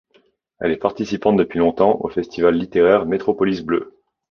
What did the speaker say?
Elle est participante depuis longtemps au festival littéraire Metropolis bleu.